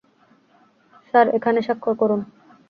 Sir, এখানে সাক্ষর করুন।